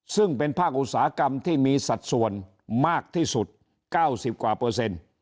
ซึ่งเป็นภาคอุตสาหกรรมที่มีสัดส่วนมากที่สุด๙๐กว่าเปอร์เซ็นต์